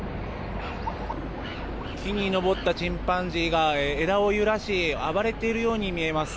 木に登ったチンパンジーが枝を揺らし暴れているように見えます。